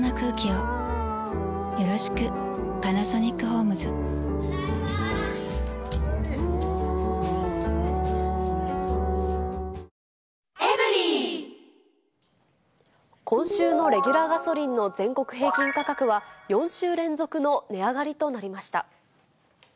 われわれも販売、今週のレギュラーガソリンの全国平均価格は、４週連続の値上がりとなりました。